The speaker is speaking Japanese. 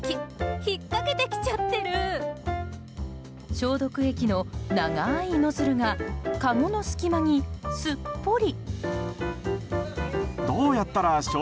消毒液の長いノズルがかごの隙間にすっぽり。